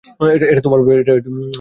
এটা তোমার ব্যাপার।